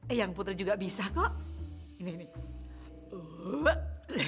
eyang putri juga bisa kok